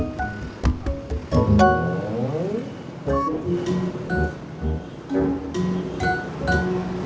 diongkosin sampai kampungnya tini